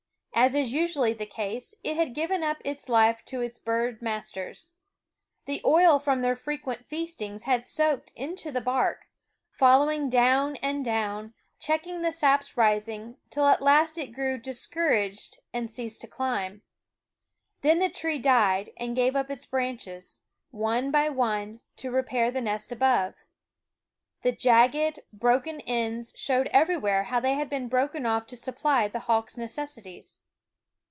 As is usually the case, it had given up its life to its bird masters. The oil from their frequent feastings had soaked into the bark, following down and down, checking the sap's rising, till at last it grew discour aged and ceased to climb. Then the tree died and gave up its branches, one by one, to repair the nest above. The jagged, broken ends showed everywhere how they had been broken off to supply the hawks' necessities.